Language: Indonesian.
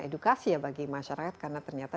edukasi ya bagi masyarakat karena ternyata